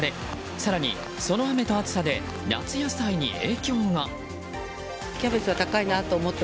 更に、その雨と暑さで夏野菜に影響が。